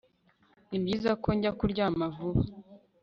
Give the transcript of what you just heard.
Nibyiza ko njya kuryama vuba